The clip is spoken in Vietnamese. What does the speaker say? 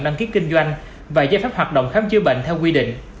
đăng ký kinh doanh và giải pháp hoạt động khám chứa bệnh theo quy định